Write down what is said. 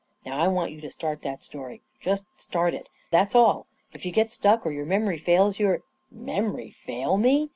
Now I want you to start that story. Just start it, that's*, all. If you get stuck, or your memory fails you —" Memory fail me!